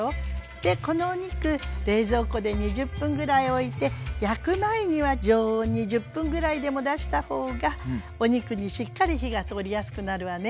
でこのお肉冷蔵庫で２０分ぐらいおいて焼く前には常温に１０分ぐらいでも出した方がお肉にしっかり火が通りやすくなるわね。